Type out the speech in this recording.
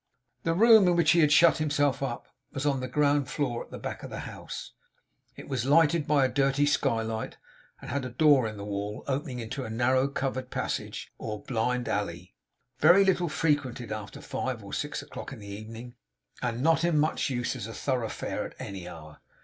The room in which he had shut himself up, was on the ground floor, at the back of the house. It was lighted by a dirty skylight, and had a door in the wall, opening into a narrow covered passage or blind alley, very little frequented after five or six o'clock in the evening, and not in much use as a thoroughfare at any hour.